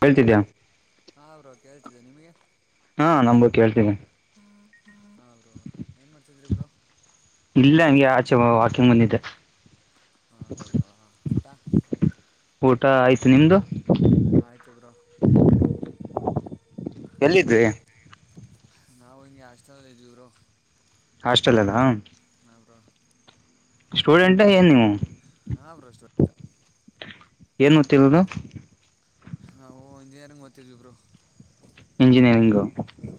ಹೇಳ್ತಿದ್ಯಾ. ಕೇಳ್ತಿದೆ ನಿಮಗೆ. ಹಾ ನಮ್ಗು ಕೇಳ್ತೀದೆ. ಹಾ ಬ್ರೋ ಏನ್ ಮಾಡ್ತಿದ್ರಿ ಬ್ರೋ. ಇಲ್ಲ ಹಂಗೆ ಆಚೆ ವ ವಾಕಿಂಗ್ ಬಂದಿದ್ದೆ. ಹೌದಾ ಬ್ರೋ ಊಟಾ. ಊಟ ಆಯ್ತು ನಿಮ್ದು ಆಯಿತು ಬ್ರೋ ಎಲ್ಲಿದ್ರೀ. ನಾವು ಹಿಂಗೆ ಹಾಸ್ಟೆಲಲ್ಲಿ ಇದ್ವಿ ಬ್ರೋ. ಹಾಸ್ಟೆಲಲ್ಲಾ. ಹ ಬ್ರೋ. ಸ್ಟೂಡೆಂಟ್ ಏನ್ ನೀವು. ಹಾ ಬ್ರೋ ಸ್ಟೂಡೆಂಟ್. ಏನ್ ಮಾಡ್ತಿ [unintelligible] ನಾವು ಇಂಜಿನಿಯರಿಂಗ್ ಓತಿದ್ವಿ ಬ್ರೋ. ಇಂಜಿನಿಯರಿಂಗು.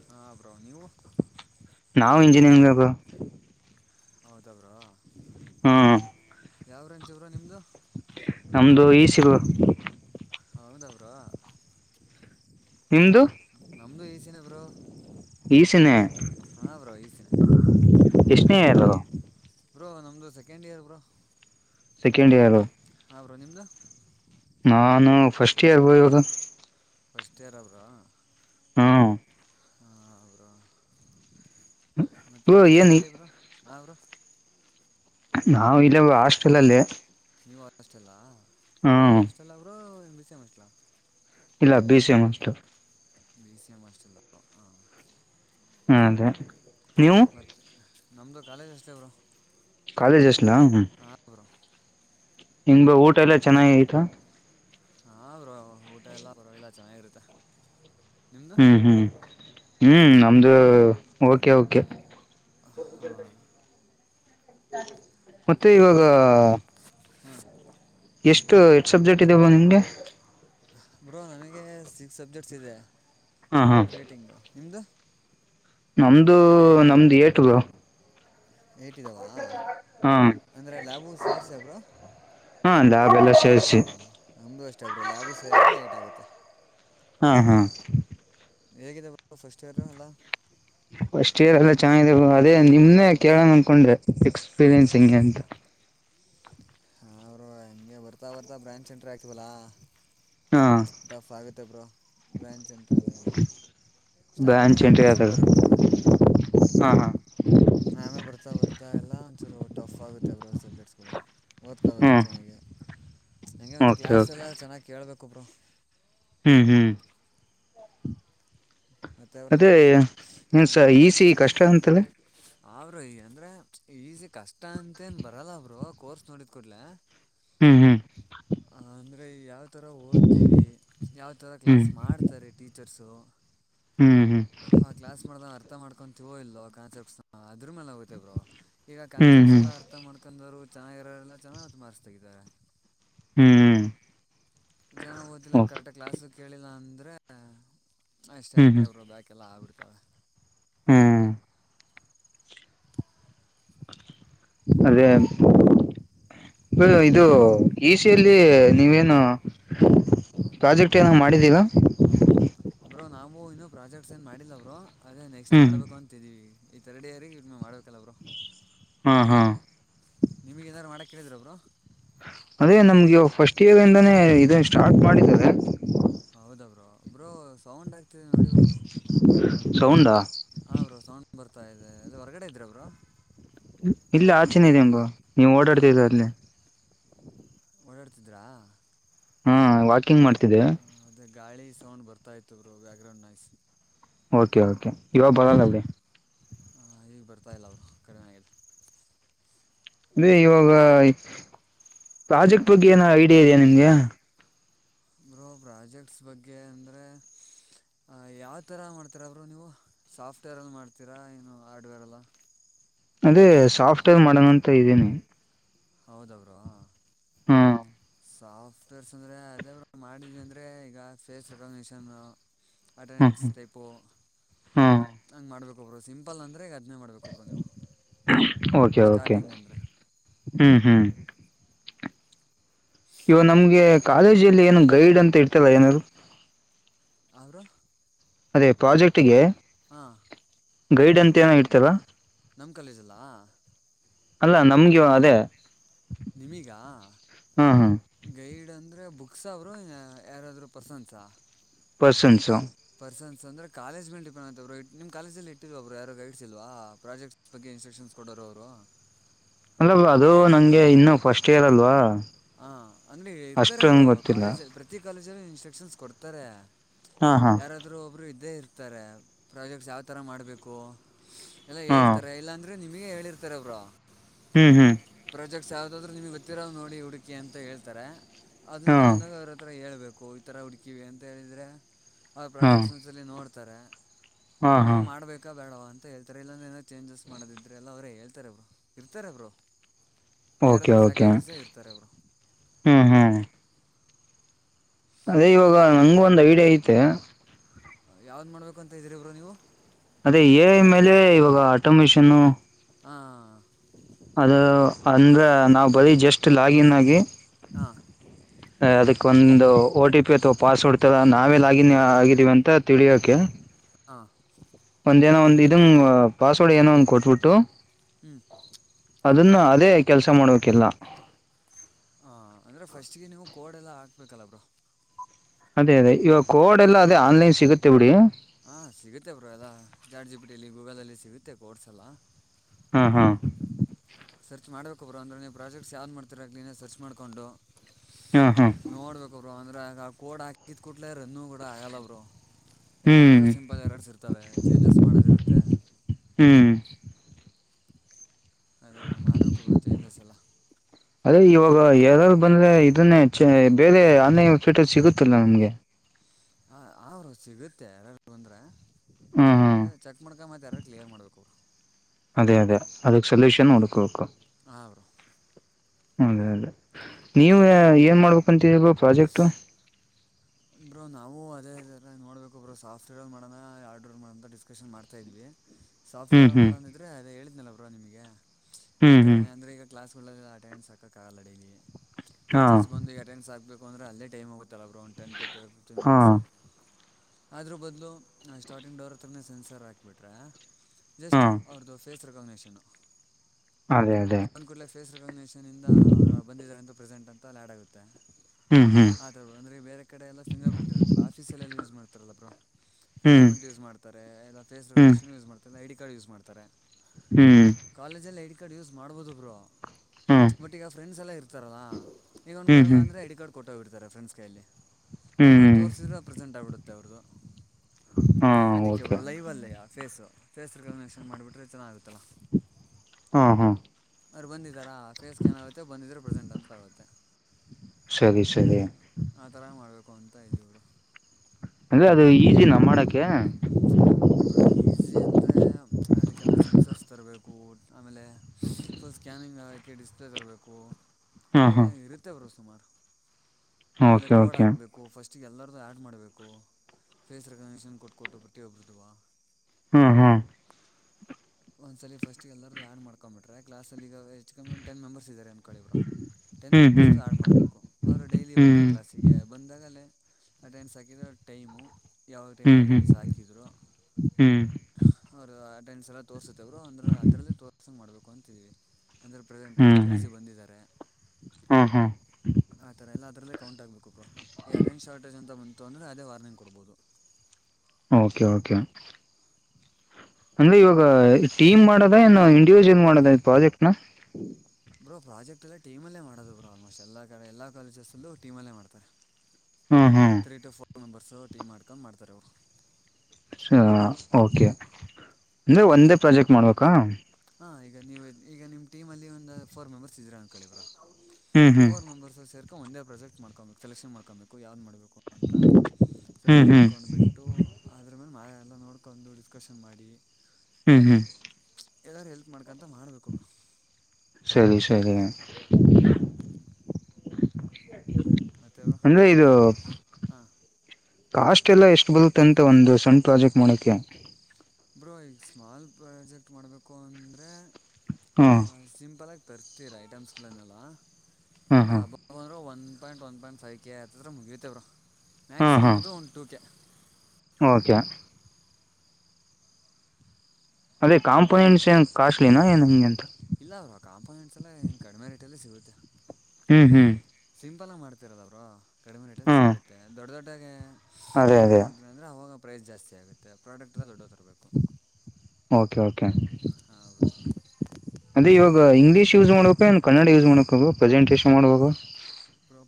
ಹಾ ಬ್ರೋ ನೀವು. ನಾವು ಇಂಜಿನಿಯರಿಂಗೆ ಬ್ರೋ. ಹೌದ ಬ್ರೋ. ಹ್ಮ್ ಯಾವ್ರ ಬ್ರಾಂಚ್ ಬ್ರೋ ನಿಮ್ದು. ನಮ್ದು ಈ ಸಿ ಬ್ರೋ. ಹೌದ ಬ್ರೋ. ನಿಮ್ದು. ನಮ್ದು ಈಸಿ ನೆ ಬ್ರೋ. ಈ ಸಿ ಸಿ ನೇ ಹಾಂ ಬ್ರೋ ಈ ಸಿನೇ ಎಷ್ಟನೆ ಇಯರು. ಬ್ರೋ ನಮ್ಮದು second year bro. Second year. ಹಾ ಬ್ರೋ ನಿಮ್ಮದುು. ನಾನು ಫಸ್ಟ್ ಇಯರ್ ಬ್ರೋ ಇವಾಗ. ಹೊಸ್ ಯಾರ್ರ ಬ್ರೋ. ಹ್ಮ ಹಾ ಬ್ರೋ ಮತ್ತೆ ನೀವು ಇ ಏನ್ ಇರದೆಲ್ಲಿ ಬ್ರೋ ಹಾ ಬ್ರೋ. ನಾವು ಇಲ್ಲ ಹಾಸ್ಟೆಲ್ ಅಲ್ಲಿ. ನೀವು ಹಾಸ್ಟೆಲ್ಲಾ ಹ್ಮ್ ಕಾಲೇಜ್ ಹಾಸ್ಟೆಲ್ ಬ್ರೋ ಬಿಸಿಂ ಹಾಸ್ಟೆಲ್ಲಾ. ಇಲ್ಲ B C M ಹಾಸ್ಲು. B C M hostel ಉ. ಅದೇ. ನೀವು ನಮ್ದು ಕಾಲೇಜ್ ಹಾಸ್ಟೆಲ್ ಬ್ರೋ. ಕಾಲೇಜ ಹಾಸ್ಟೆಲಾ ಹ್ಮ. ಹಾಂ ಬ್ರೋ ನಿಮ್ದು ಊಟ ಎಲ್ಲಾ ಚೆನ್ನಾಗ ಆಯತಾ. ಹಾ ಬ್ರೋ ಊಟ ಎಲ್ಲ ಪರ್ವಾಗಿಲ್ಲ ಚೆನ್ನಾಗಿರುತ್ತೆ. ನಿಮ್ಮದು ಹ್ಮ್ ಹ್ಮ್ ಹ್ಮ್ ನಮ್ದ್ ಹ್ಮ ಓಕೆ ಓಕೆ. ಹಾಂ ಮತ್ತೆ ಇವಾಗ ಮತ್ತು ಹಾಂ ಎಷ್ಟು ಎಷ್ಟ ಸಬ್ಜೆಕ್ಟ್ ಇದವೆ ನಿನಗೆ ಬ್ರೋ ನನಗೆ ಸಿಕ್ಸ್ ಸಬ್ಜೆಕ್ಟ್ಸ್ ಇದೆ ಹಾ ಹಾ ರೇಟಿಂಗು ನಿಮ್ಮದು ನಮ್ದು ನಮ್ದು ಏಟ್ ಏ್ಟದ್ದಾವ [unintelligible] ಹಾ ಅಂದರೆ ಲ್ಯಾಬು ಸೇರಿಸಬರು ಹಾ ಲ್ಯಾಬ್ ಎಲ್ಲ ಹ ಸೇರಿಸಿ ನಮ್ದು ಅಷ್ಟೇಬ್ರು ಲ್ಯಾಬ್ ಸೇರಿದ್ರೆ ಏಟ್ ಆಗುತ್ತೆ ಹಾ ಹಾ ಹೇಗಿದೆ ಬ್ರೋ ಫಸ್ಟ್ ಇಯರ್ ಎಲ್ಲಾ ಫಸ್ಟ್ ಇಯರ್ ಎಲ್ಲ ಚೆನ್ನಾಗಿದೆ ಅದೇ ನಿಮ್ನೆ ಕೇಳೋಣ ಅನ್ಕೊಂಡ್ರೆ ಎಕ್ಸ್ಪೀರಿಯನ್ಸ್ ಹಿಂಗೆ ಅಂತ ನಾವು ಹಂಗೆ ಬರ್ತಾ ಬರ್ತಾ ಬ್ರಾಂಚ್ ಸಂಟ್ರ ಆಗ್ತವಲಾ ಹಾ ಟಫ್ ಆಗುತ್ತೆ ಬ್ರೋ ಬ್ರ್ಯಾಂಡ್ ಸೆಂಟ್ರ ಅದಾಗೆಲ್ಲ ಬ್ಯಾಂಚ್ ಎಂಟ್ರಿ ಆದಾಗ ಹಾ ಹಾ ಆಮೇಲೆ ಬರ್ತಾ ಬರ್ತಾ ಎಲ್ಲ ಒಂಚೂರು ಟಫ್ ಆಗುತ್ತೆ ಬರೋ ಸಬ್ಜೆಕ್ಟ್ಸ್ಗಳು ಓದ್ಕೋಬೇಕು ಹ್ಮ್ ಚೆನ್ನಾಗಿ ಹಗೆ ಮುಂಚು ಓಕೆ ಕ್ಲಾಸ್ ಓಕೆ ಎಲ್ಲ ಚೆನ್ನಾಗಿ ಕೇಳಳ್ಬೇಕೊಬ್ರು ಹ್ಮ್ ಹ್ಮ್ ಮತ್ತೆ ಬ್ರೋ ಅದೇ ಹಾಂ ಮೀನ್ಸ್ ಈಸಿ ಕಷ್ಟ ಅಂತಲ್ಲ ಅವರು ಈ ಅಂದ್ರೆ ಈಸಿ ಕಷ್ಟ ಅಂತೇನ್ ಬರಲ್ಲಬ್ರು ಕೋರ್ಸ್ ನೋಡಿದ್ ಕೂಡ್ಲೆ ಹ್ಮ್ ಹ್ಮ್ ಯಾವ ತರ ಓದ್ತಿವಿ ಯಾವ ತರ ಹ್ಮ್ ಕ್ಲಾಸ್ ಮಾಡ್ತಾರೆ ಟೀಚರ್ಸು ಹ್ಮ್ ಹ್ಮ್ ಆ ಕ್ಲಾಸ್ ಮಾಡ್ದ ಅರ್ಥ ಮಾಡ್ಕೊಂತೀವೋ ಇಲ್ವ ಆ ಕಾನ್ಸೆಪ್ಟ್ಸ್ ಅದ್ರ ಮೇಲೆ ಹೋಗುತ್ತ ಬ್ರೋ ಈಗ ಹ್ಮ್ ಹ್ಮ್ ಕಾನ್ಸೆಪ್ಟ್ಸ್ ಎಲ್ಲ ಅರ್ಥ ಮಾಡ್ಕೊಂಡವ್ರು ಚೆನ್ನಾಗಿರೋರೆಲ್ಲ ಚೆನ್ನಾಗಿ ಮಾರ್ಕ್ಸ್ ತೆಗಿದ್ದಾರೆ ಹ್ಮ್ ಚೆನ್ನಾಗಿ ಓದಿಲ್ಲ ಓಕೆ ಕರೆಕ್ಟ್ ಕ್ಲಾಸು ಕೇಳಿಲ್ಲ ಅಂದ್ರೆ ಅಷ್ಟೇ ಹ್ಮ್ ಹ್ಮ್ ಹಂಗೆಬ್ರು ಬ್ಯಾಕೆಲ್ಲ ಆಗ್ಬಿಡ್ತಾವ ಹ್ಮ್ ಅದೆ ಇದು ಈಸಿಯಲ್ಲಿ ನೀವೇನು ಪ್ರಾಜೆಕ್ಟ್ ಏನ ಮಾಡಿದ್ದೀರಾ ಅವೋ ನಾವು ಇನ್ನೂ ಪ್ರಾಜೆಕ್ಟ್ಸ್ ಏನು ಮಾಡಿಲ್ಲ ಅವರು ಅದೇ ನೆಕ್ಸ್ಟ್ ಹ್ಮ್ ಮಾಡ್ಬೇಕು ಅಂತಿದೀವಿ ಈ ಥರಡಿಯ ರೀ ಇ ನೀವು ಮಾಡ್ಬೇಕಲ್ಲ ಅವರು ಹ ಹಾ ನಿಮಗ್ ಏನಾರು ಮಾಡಕ್ ಕೇಳಿದ್ರಬ್ರು ಅದೇ ನಮ್ಗೆ ಫಸ್ಟ್ ಇಯರ್ ಇಂದಾನೇ ಇದ ಸ್ಟಾರ್ಟ್ ಮಾಡಿದ್ದಾರೆ ಹೌದ ಬ್ರೋ ಸೌಂಡ್ ಆಗ್ತಿದೆ ನೋಡಿಬರು ಸೌಂಡಾ ಹ ಬ್ರೋ ಸೌಂಡ್ ಬರ್ತಾ ಇದೆ ಅದು ಹೊರಗಡೆ ಇದ್ದೀರಾ ಬ್ರೋ ಇಲ್ಲ ಆಚೇನೆ ಇದದೆ ಅಂಬ ನೀವು ಓಡಡ್ತ ಅಲ್ಲಿ ಓಡಾಡ್ತಿದ್ರಾ ಹಾ ವಾಕಿಂಗ್ ಮಾಡ್ತಿದ್ದೆ ಅದೇ ಗಾಳಿ ಸೌಂಡ್ ಬರ್ತಾ ಇತ್ತುವರು background nice okay okay ಇವಾಗ ಬರಲ್ಲೀ ಹಾ ಈಗ್ ಬರ್ತಾ ಇಲ್ಲ ಅವರು ಕಡಿಮೆ ಆಗಿದ್ದ ಅೇ [unintelligible] ಇವಾಗ ಪ್ರಾಜೆಕ್ಟ್ ಬಗ್ಗೆ ಏನೋ ಐಡಿಯಾ ಇದೆಯಾ ನಿಮ್ಗೆ ಬ್ರೋ ಪ್ರಾಜೆಕ್ಟ್ಸ್ ಬಗ್ಗೆ ಅಂದ್ರೆ ಯಾವ್ತರ ಮಾಡ್ತೀರಾ ನೀವು ಸಾಫ್ಟ್ವೇರಲ್ಲಿ ಮಾಡ್ತೀರಾ ಏನು ಹಾರ್ಡ್ವೇರ್ಲ್ಲ ಅದೇ ಸಾಫ್ಟ್ವೇರ್ ಮಾಡೋಣಂತ ಇದೇನೆ ಹೌದಾ ಬ್ರೋ ಹಾ ಸಾಫ್ಟ್ವೇರ್ಸ್ ಅಂದರೆ ಅದೇ ಮಾಡಿದ್ವಿ ಅಂದರೆ ಈಗ ಫೇಸ್ ರೆಕಾಗನೇಷನ್ ಹ್ಮ್ ಅಟೆಂಡೆನ್ಸ್ ಹ್ಮ್ ಟೈಪು ಹ್ಮ್ ಹಂಗ್ ಮಾಡ್ಬೇಕ ಒಬ್ರು ಸಿಂಪಲ್ ಅಂದ್ರೆಗ ಯಜನೇ ಮಾಡಬೇಕಬ್ರ ನೀವು ಓಕೆ ಓಕೆ ಸ್ಟಾರ್ಟಿಂಗ್ ಅಂದರೆ ಹ್ಮ್ ಹ್ಮ್ ಇವ ನಮ್ಗೆ ಕಾಲೇಜಲ್ಲಿ ಏನು ಗೈಡ್ ಅಂತ ಇರ್ತಾರ ಏನಾದ್ರು ಅವರ ಅದೇ ಪ್ರಾಜೆಕ್ಟ್ಗೆ ಹಾ ಗೈಡ್ ಅಂತ ಏನ ಇಡ್ತಾರ ನಮ ಕಾಲೇಜ್ಲ್ಲಾ ಅಲ್ಲ ನಮ್ಗೆ ಅದೇ ನಿಮೀಗ ಹಾ ಹಾ ಗೈಡ್ ಅ ಅಂದ್ರೆ ಬುಕ್ಸ್ ಅವರು ಯಾರಾದ್ರು ಪ್ರಸನ್ಸಾ ಪಸನ್ಸೊ ಸಸನ್ಸ್ ಅಂದ್ರ ಕಾಲೇಜ್ ಮಲ್ಪ ಅಂತರು ನಿಮ ಕಾಲೇಜ ಅಲ್ಲಿ ಇಟ್ಟರುಬ್ರು ಯಾರೋ ಗೈಡ್ಸ್ಲ್ ಪ್ರಾಜೆಕ್ಟ್ಸ್ಗ್ ಇಸ್ಟ್ರಕ್ಷನ್ಸ್ ಕೊಡೋರ ಅವರು ಅಲ್ಲಲ್ ಅದು ನಂಗೆ ಇನ್ನು ಫಸ್ಟ್ ಇಯರ್ ಅಲ್ವಾ ಹಾ ಅಂದ್ರೆ ಇರ್ತಾರೆ ಅವರು ಅಷ್ಟೊಂದು ಗೊತ್ತಿಲ್ಲ ಕಾಲೇಜ ಪ್ರತಿ ಕಾಲೇಜಲ್ಲಿ ಇನ್ಸ್ಟ್ರಕ್ಷನ್ಸ್ ಕೊಡ್ತಾರೆ ಹಾ ಹಾ ಯಾರಾದ್ರೂ ಒಬ್ರು ಇದ್ದೇ ಇರ್ತಾರೆ ಪ್ರಾಜೆಕ್ಟ್ಸ್ ಯಾವ ಥರ ಮಾಡ್ಬೇಕು ಎಲ್ಲ ಹಾ ಹೇಳ್ತಾರ ಇಲ್ಲಾಂದ್ರೆ ನಿಮಗೆ ಹೇಳಿರ್ತಾರ ಅವ್ರ ಹ್ಮ್ ಹ್ಮ್ ಪ್ರಜೆಕ್ಟ್ಸ್ ಯಾವಾದ್ರೂ ನಿಮಗೆ ಗೊತ್ತಿರಾವ ನೋಡಿ ಹುಡುಕಿ ಅಂತ ಹೇಳ್ತಾರೆ ಅದನ್ನ ಹಾ ತಗೊಂಡಾಗ ಅವ್ರತ್ರ ಹೇಳ್ಬೇಕು ಹಕೋ ಈ ರ ಹುಡ್ಕಿವವಿ ಅಂತ ಹೇಳಿದ್ರೆ ಅವರು ಹಾ ಪ್ರಾಜೆಕ್ಟ್ಸ್ಸಲ್ಲಿ ನೋಡ್ತಾರೆ ಹಾ ಹಾ ಆಮೇ ಮಾಡ್ಬೇಕಾ ಬೇಡವ ಅಂತ ಹೇಳ್ತಾರೆ ಇಲ್ಲಂದರೆ ಏನೋ ಚೇಂಜಸ್ ಮಾಡೋದಿದ್ರೆ ಎಲ್ಲ ಅವರ ಹೇಳ್ತಾರೆಬ್ರು ಇರ್ತಾರೆಬ್ರು ಓಕೆ ಓಕೆ ಬ್ರೋ ಹ್ಮ್ ಹ್ಮ್ ಅದೇ ಇವಾಗ ನಂಗಗು ಒಂದ್ ಐಡಿಯಾ ಐತೆ ಯಾವ್ದು ಮಾಡ್ಬೇಕುಂತ ಇದೀರಿರು ನೀವು ಅದೇ ಎ ಮೇಲೆ ಇವಾಗ ಆಟೋ ಮೆಷನು ಹಾ ಅದು ಅಂದ್ರ ನಾವವು ಬರೀ ಜಸ್ಟ್ ಲಾಗಿನ್ ಆಗಿ ಹಾಂ ಹ ಅದಕ್ಕೆ ಒಂದು ಓಟಿ ಅಥವಾ ಪಾಸ್ವರ್ಡ್ ತರ ನಾವೇ ಲಾಗಿನ್ ಆಗಿದೀವಿ ಅಂತ ತಿಳಿಯೋಕೆ ಹಾ ಒಂದುನೋ ಒಂದು ಇದಂಗೆ ಪಾಸ್ವರ್ಡ್ ಏನೋ ಒಂದು ಕೊಟ್ಬಿಟ್ಟು ಹ್ಞೂ ಅದನ್ನ ಅದೇ ಕೆಲ್ಸ ಮಾಡಬೇಕಕಿಲ್ಲ ಹ ಅಂದ್ರೆ ಫಸ್ಟ್ಗೆ ನೀವು ಕೋಡೆ ಎಲ್ಲಾ ಹಾಕ್ಬೇಕಲ್ಲ ಬ್ರರು ಅದೇ ಅದೇ ಇವ ಕೋಡ್ ಎಲ್ಲ ಅದೇ ಆನ್ಲೈನ್ ಸಿಗುತ್ತೆ ಬಿಡಿ ಟೆಲಿಗೂಗಲಲ್ಲಿ ಸಿಗುತ್ತೆ ಕೋರ್ಸ್ ಎಲ್ಲ ಹಾ ಹಾ ಸರ್ಚ್ ಮಾಡ್ಬೇಕುಬ್ ಅಂದ್ರೆ ನೀವು ಪ್ರಾಜೆಟ್ಸ್ ಯಾವ್ದ ಮಾಡತತಿರಾ ನೀನ ಸರ್ಚ್ ಮಾಡಕೊಂಡು ಹಾ ಹಾ ನೋಡ್ಬೇಕಬ್ರು ಅಂದ್ರೆ ಕೋಡ್ ಹಾಕಿದ ಕುಟ್ಲೆ ರನ್ನು ಕೂಡ ಆಗಲ್ಲಬ್ರು [unintelligible] ಏನಾದರೂ ಹ್ಮ್ ಸಿಂಪಲ್ ಎರಡಸಿರ್ತವೆೆ ಚೇಂಜಸ್ ಮಾಡೋದಿರುತ್ತೆ [unintelligible] ಹ್ಮ್ [unintelligible] ಅದೇ ಬರು ಮಾಡ್ಬೇಕು ಬರು ಚೇಂಜಸ್ ಎಲ್ಲ ಅದೇ [unintelligible] ಇವಾಗ ಯಾರಾರು ಬಂದ್ರೆ ಇದನ್ನೇ ಬೇರೆ ಅನ ಸ್ವೀಟರ್ ಸಿಗುತ್ತಲ್ಲ ನಮ್ಗೆ [unintelligible] ಹ ಅವರು ಸಿಗುತ್ತೆ ಯಾರಾರ ಹ್ಮ್ ಹ್ಮ್ ಬಂದ್ರದ ಚೆಕ್ ಮಾಡ್ಕ ಮತ್ ಯಾರ [unintelligible] ಕ್ಲಿಯರ್ ಮಾಡ್ಬೇಕು ಅವರು [unintelligible] ಅದೇ ಅದೇ ಅದುಕ್ಕೆ ಸೊಲ್ಯೂಷನ್ ಒಡ್ಕಬೇಕಬೇಕು [unintelligible] ಆ [unintelligible] ಹೌದೇ ಅೌದೇ ನೀವು ಏನ್ ಮಾಡ್ಬೇಕಂತವ ಪ್ರಾಜೆಕ್ಟ [unintelligible] ಬ್ರೋ ನಾವು ಅದೇ ತರ ನೋಡ್ಬೇಕು ಬ್ರೋ ಸಾಫ್ಟ್ವೇರ್ ಅಲ್ಲಿ ಮಾಡೋಣ ಆರ್ಡರ್ ಮಾಡೋ ಡಿಸ್ಕಶನ್ ಮಾಡ್ತಾ ಇದ್ವಿ [unintelligible] ಸಾಫ್ಟ್ವೇರ್ ಹ್ಮ್ ಆಾಗಿ ಹ್ಮ್ ಮಾಡೋದಿದ್ರೆ ಅದೇ ಹೇಳಿದ್ನಲ್ಲ ಬ್ರಾ ನಿಮಗೆ ಆ ಹ್ಮ್ ಹ್ಮ್ ಥರನೇ ಅಂದರೆ ಈಗ ಕ್ಲಾಸ್ [unintelligible] ಸ್ಕೂಲಲ್ಲ ಅಟೆಂಡನ್ಸ್ ಹಾಕಕ್ಕಾಗಲ್ಲಡ ಈ ಹಾ ಟೀಚರ್ಸ್ ಬಂದು ಈ ಅಟೆನ್ಸ್ ಹಾಬೇಕು ಅಂದ್ರ ಅದೇ ಟೈಮ್ ಹೋಗುತ್ತಲ್ಲ ಗ್ರೌಂಡ್ [unintelligible] ಟೊಟೆಜ ಹಾ ಮಿನಿಟ್ಸ್ [unintelligible] ಆದ್ರ ಬದಲು ಸ್ಟಾರ್ಟಿಂಗ್ ಡವರ್ ಹತ್ರನೇ ಸೆನ್ಸರ್ ಹಾಕಿಬಿಟ್ರೆ [unintelligible] ಹಾ ಜಸ್ಟ್ ಅವ್ರದ್ದು ಫೇಸ್ ರೆಕಾಗ್ನೇಷನ್ ಅದೇ ಅದೇ [unintelligible] ಬಂದ್ ಕೂಡಲೇ ಫೇಸ್ ರೆಕಗ್ನೇಷನ್ ಇಂದ ಅವ್ರು ಬಂದಿದ್ದಾರೆ ಅಂತೂ ಪ್ರೆಸೆಂಟ್ ಅಂತ ಅಲ್ಲಿ ಆ್ಯಡ್ ಆಗುತ್ತೆ [unintelligible] ಹ್ಮ್ ಹ್ಮ್ ಆ ಥರ ಬ್ರೋ ಅಂದರೆ ಬೇರೆ ಕಡೆೆಯ ಎಲ್ಲ ಫಿಂಗರ್ ಪ್ರಿಂ ಇರುತ್ತಲ್ಲ ಆಫೀಸಲ್ಲೆಲ್ಲ ಯೂಸ್ ಮಾಡ್ತಾರಲ್ಲ ಬ್ರೋ [unintelligible] ಫಿಂಗರ್ ಹ್ಮ್ ಪ್ರಿಂಟ್ ಯೂಸ್ ಮಾಡ್ತಾರೆ ಎಲ್ಲ ಹ್ಮ್ ಫೇಸ್ನ್ ಯೂಸ್ ಮಾಡ್ತಾರೆ [unintelligible] ಐ ಡಿ ಕಾರ್ಡ್ ಯೂಸ್ ಮಾಡ್ತಾರೆ ಹ್ಮ್ ಕಾಲೇಜಲ್ಲಿ ಐ ಡಿ ಕಾರ್ಡ್ ಯೂಸ್ ಮಾಡ್ಬೋದು ಬರು [unintelligible] ಹ್ಮ್ ಹ್ಮ್ ಬಟ್ ಈಗ ಫ್ರೆಂಡ್ಸ್ ಎಲ್ಲ ಇರ್ತಾರಲ್ಲಾ ಈಗ ಒಂದು ಹ್ಮ್ ಬದಲ ಹ್ಮ್ ಅಂದ್ರೆ ಐಡಿರ್ಡ್ ಕೊಟ್ಟ [unintelligible] ಇಡ್ತಾರೆ ಫ್ರೆಂಡ್ಸ್ ಕೈಯಲ್ಲಿ [unintelligible] ಅವ ಅವರು ಹ್ಮ್ ತೋರ್ಸಿದ್ರೆ ಪ್ರೆಸೆಂಟ್ ಆಗ್ಬಿಡುತ್ತೆ ಅವ್ರದುು ಹಾ ಅದಕ್ಕೆ ಓಕೆ ಅವರು ಲೈವ್ ಅಲ್ಲೇ ಯಾ [unintelligible] ಫೇಸು ಸ್ ರೆಗ್ಷನ್ ಮಾಡಿಬಿಟ್ಟೆನ್ನಾಗಿಾಗತ್ತಲ್ಲ [unintelligible] ಹಾ ಹಾ [unintelligible] ಅವರು ಬಂದಿದ್ದಾರಾ ಫೇಸ್ ಸ್ಕ್ಯಾನ್ ಆಗುತ್ತೆ ಬಂದಿದ್ದರೆ ಪ್ರೆಸೆಂಟ್ ಅಂತ ತಳುತ್ತೆ ಸರಿ ಸರಿ [unintelligible] ಆ ಥರ ಮಾಡಬೇಕು ಅಂತ ಇದೀವರು [unintelligible] ಅಂದ್ರೆ ಅದು ಈಸಿನ ಮಾಡಕ [unintelligible] ಬ್ರೋ ಈಸಿ ಅಂದರೆ ಕ ಆಮೇಲೆ ಫುಲ್ ಸ್ಕ್ಯಾನಿಂಗ್ ಆಕೆ ಡಿಸ್ಪ್ಲೇ ತರಬೇಕು [unintelligible] ಹಾ ಹಾ ಅದೆಲ್ಲಾ ಇರುತ್ತವರು ಸುಮಾರು [unintelligible] ಆಮೇಲೆ ಓಕೆ ಕೋಡ್ ಓಕೆ ಹಾಕ್ಬೇಕು ಫಸ್ಟ್ [unintelligible] ಅಚ್ಚಿಗೆ ಎಲ್ಲರ್ದೂ ಆ್ಯಡ್ ಮಾಡಬೇಕು ಫೇಸ್ ರೆಕಗ್ನೇಷನ್ ಕೊಟ್ಟ ಕೊಟ್ಟು ಪ್ರತಿಯೊಬ್ಬ್ರದ್ದವಾ [unintelligible] ಹ್ಮ್ ಹಾ [unintelligible] ಒಂದ್ಸಲ ಫಸ್ಟ್ ಎಲ್ಲಾರು ಆ್ಯಡ್ ಮಾಡ್ಕೊಬಿರ ಕ್ಲಾಸ್ಲ್ಲಿ ಈಗ ಹೆಚ್ಚು ಕಿ ಒ ಮೆಂಬರ್ಸ್ ಇದಾರೆ ಅನ್ಕಳಿರರು [unintelligible] ಟೆನ್ ಹ್ಮ್ ಮೆಂಬರ್ಸ ಹ್ಮ್ ಆಡ್ ಮಾಡಬೇಕು ಅವರು ಡೈಲಿ ಬಂದ್ರ ಹ್ಮ್ ಕ್ಲಾಸಿಗೆ ಬಂದಾಗಲೇ [unintelligible] ಅದನ್ ಸಕದ ಟೈಮು [unintelligible] ಯಾವ ಟೈಮಿಗೆ ಹ್ಮ್ ಹ್ಮ್ ಅಟೆಂಡನ್ಸ್ ಹಾಕಿದ್ರು ಹ್ಮ್ ಅವರು ಅಟೆಂಡನ್ಸ್ ಎಲ್ಲ [unintelligible] ತೋರ್ಸುತ್ತವರು ಅಂದ್ರ ಅದ್ರಲ್ಲಿ ತೋರ್ಸಂಗ ಮಾಡ್ಬೇಕು ಅಂತೀವಿ [unintelligible] ಅಂದರೆ ಪ್ರೆಸೆಂಟ್ ಎಷ್ಟು ಹ್ಮ್ ಹ್ಮ್ ಕ್ಲಾಸಿಗೆ ಬಂದಿದ್ದಾರೆ ಹಾ ಹಾ [unintelligible] ಆತರ ಎಲ್ಲ ಅದರಲ್ಲೇ ಕೌಂಟ್ ಆಗ್ಬೇಕುರ ಈಗ ಅಟೆಂಜ್ ಶಾರ್ಟೇಜ್ ಅಂತ ಬಂದ [unintelligible] ತೊಂದರೆ ಅದೇ ವಾರ್ನಿಂಗ್ ಕೊಡ್ಬೋದು [unintelligible] ಓಕೆ ಓಕೆ [unintelligible] ಅಂದ್ರೆ ಇವಾಗ ಟೀಮ್ ಮಾಡದ ಏನೋ ಇಂಡಿವಿಜುವಲ್ ಮಾಡದ ಪ್ರಾಜೆಕ್ಟ್ನ [unintelligible] ಬ್ರೋ ಪ್ರಾಜೆಕ್ಟೆಲ್ಲ ಟೀಮಲ್ಲೇ ಮಾಡೋದು ಬರು ಆಲ್ಮೋಸ್ಟ್ ಎಲ್ಲ ಕಡೆ ಎಲ್ಲ ಕಾಲೇಜಸಲ್ಲೂ ಟೀಮಲ್ಲೇ ಮಾಡ್ತಾರೆ [unintelligible] ಹಾ ಹಾ [unintelligible] ಮೆಂಬರ್ಸ್ ಟೀಮ್ ಆಡ್ಕೊಂಡ್ ಮಾಡ್ತಾರ ಅವರು [unintelligible] ಹ ಓಕೆ ಅಂದ್ರೆ ಒಂದೇ ಪ್ರಾಜೆಕ್ಟ್ ಮಾಡ್ಬೇಕಾ [unintelligible] ಹಾಂ ಈಗ ನೀವು ಈಗ ನಿಮ್ಮ ಟೀಮಲ್ಲಿ ಒಂದು ಫೋರ್ ಮೆಂಬರ್ಸ್ ಇದ್ದ್ರಾ ಅಂದ್ಕಳಬ್ರಾ [unintelligible] ಹ್ಮ್ ಹ್ಮ್ ಫೋರ್ ಮೆಂಬರ್ಸ್ ಸೇರ್ಡ ಒಂದೇ ಪ್ರಾಜೆಕ್ಟ್ ಮಾಡ್ಕೊಬೇಕು ಸಲೆಕ್ಷನ್ ಮಾಡಕೊಬೇಕು ಯಾವ್ ಮಾಡಬೇಕು [unintelligible] ಅ ಹ್ಮ್ ಸೆಲೆಕ್ಟ್ ಹ್ಮ್ ಮಾಡ್ಕೊಂಡ್ ಬಿಟ್ಟು [unintelligible] ಅ್ರ ಮೇಲೆ ಮ ಎಲ್ಲ ನೋಡ್ಕೊಂಡು ಡಿಸ್ಕಶನ್ ಮಾಡಿ [unintelligible] ಹ್ಮ್ ಹ್ಮ್ ಎಲ್ಲಾರೂ ಹೆಲ್ಪ್ ಮಾಡ್ಕೊಂತ ಮಾಡ್ಬೇಕು ಸರಿ ಸರಿ ಮತ್ತ ಅವರು ಅಂದ್ರೆ ಇದು ಹಾಂ ಕಾಸ್ಟ್ ಎಲ್ಲ ಎಷ್ಟು ಬರುತ್ತೆಂತೆ ಒಂದು ಸಣ್ ಪ್ರಾಜೆಕ್ಟ್ ಮಾಡೋಕ್ಕೆ ಬ್ರೋ ಈಗ್ ಸ್ಮಾಲ್ ಪ್ರಾಜೆಕ್ಟ್ ಮಾಡಬೇಕು ಅಂದ್ರೆ ಹಾ ಸಿಂಪಲಾಗಿ ತರ್ತಿರ ಐಟಮ್ಸ್ ಗಳನೆಲ್ಲ ಹಾ ಏನ್ ಹಾ one point one point five K ಆತ್ತ ಹತ್ರ ಮುಗಿಯತೆೇವರು ಹಾ ಹಾ ಮ್ಯಾಕ್ಸಿಮಮ್ ಅಂದೂ ಒಂದು ಟೂ ಕೆ [unintelligible] ಓಕೆ ಅದೇ ಕಾಂಪೊನೆಂಟ್ಸ್ ಏನ್ ಕಾಸ್ಟ್ಲಿನ ಏನ್ ಹಂಗೆ ಅಂತ ಇಲ್ಲ ಅವರು ಆ ಕಾಂಪೋನೆಂಟ್ಸ ಎಲ್ಲನು ಕಡಿಮೆ ರೇಟಲ್ಲೆ ಸಿಗುತ್ತೆ ಹ್ಮ್ ಹ್ಮ್ ಸಿಂಪಲ್ಲಾಗಿ ಮಾಡ್ತಿರೋಲ್ಲ ಬ್ರೋ ಕಡಿಮೆ ರೇಟಲ್ಲಿ ಹ್ಮ್ ಸಿಗುತ್ತೆ ದೊಡ್ಡ ದೊಡ್ಡಾಗೆ ಅದೇ ಅದೇ ಮಾಡ್ತಿನೀ ಅಂದ್ರೆ ಅವಾಗ ಪ್ರೈಸ್ ಜಾಸ್ತಿ ಆಗುತ್ತೆ ಪ್ರಾಡಕ್ಟ್ ಎಲ್ಲ ದೊಡ್ಡದು ತರಬೇಕು ಓಕೆ ಓಕೆ ಹಾಂ ಬ್ರೋ ಅದೇ ಈವಾಗ ಇಂಗ್ಲೀಷ್ ಯೂಸ್ ಮಾಡ್ಬೇಕ ಏನ್ ಕನ್ನಡ ಯೂಸ್ ಮಾಡಬೇಕಾ ಬ್ರೋ ಪ್ರೆಸೆಂಟೇಶಷನ್ ಮಾಡುವಾಗ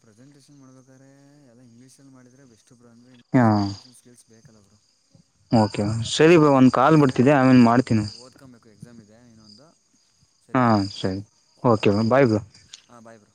ಪ್ರೆಸೆಂಟೆಷನ್ ಮಾಡ್ಬೇಕಾದ್ರ ಎಲ್ಲ ಇಂಗ್ಲೀಷ್ ಅಲ್ಲಿ ಮಾಡಿದ್ರೆ ಬೆಸ್ಟ್ ಬ್ರೊ ಅಂದ್ರೆ ಹಾ ಇಂಗ್ಲಿಷ್ ಕಮ್ಯುನಿಕೇಶನ್ ಸ್ಕಿಲ್ಸ್ ಬೇಕಲ್ಲ ಬ್ರೋ ಓಕೆ ಸರಿ ಬ್ರೋ ಒಂದು ಕಾಲ್ ಸರಿ ಬರ್ತಿದೆ ಬ್ರೋ ಆಮೇಲೆ ನಾನು ಮಾಡ್ತೀನಿ ಓದ್ಕೊಬೇಕು ಎಕ್ಸಾಮ್ ಇದೆ ಇನ್ನೊಂದು ಹಾ ಸರಿ ಬ್ರೋ ಸರಿ ಓಕೆ ಬ್ರೋ ಬಾಯ್ ಬ್ರೋ ಹಾಂ ಬಾಯ್ ಬ್ರೋ